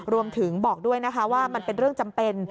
บอกด้วยนะคะว่ามันเป็นเรื่องจำเป็น